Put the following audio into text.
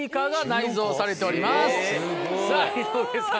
さぁ井上さん